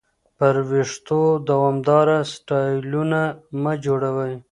پر وېښتو دوامداره سټایلونه مه جوړوئ.